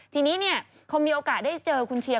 ทีนี้พอมีโอกาสได้เจอคุณเชียร์